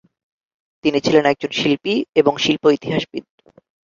তিনি ছিলেন একজন শিল্পী এবং শিল্প ইতিহাসবিদ।